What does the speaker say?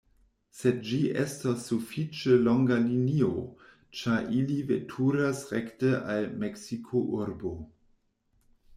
Sed ĝi estos sufiĉe longa linio, ĉar ili veturas rekte al Meksiko-urbo.